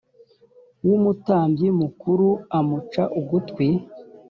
w umutambyi mukuru amuca ugutwi